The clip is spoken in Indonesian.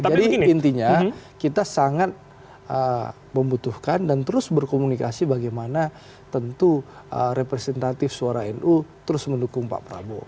jadi intinya kita sangat membutuhkan dan terus berkomunikasi bagaimana tentu representatif suara nu terus mendukung pak prabowo